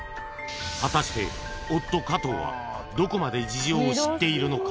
果たして夫・カトウはどこまで事情を知っているのか？